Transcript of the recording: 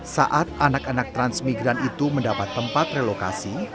saat anak anak transmigran itu mendapat tempat relokasi